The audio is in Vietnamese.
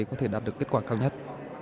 có thể đạt được kết quả cao nhất